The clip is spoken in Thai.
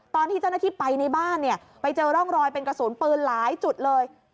ตอนที่เจ้าหน้าที่ไปในบ้านเนี่ยไปเจอร่องรอยเป็นกระสุนปืนหลายจุดเลย